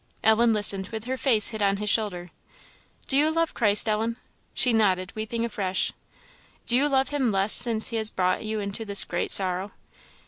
Ellen listened with her face hid on his shoulder. "Do you love Christ, Ellen?" She nodded, weeping afresh. "Do you love him less since he has brought you into this great sorrow?"